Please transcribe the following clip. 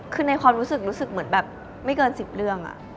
คือในความรู้สึกรู้สึกเหมือนแบบไม่เกิน๑๐เรื่อง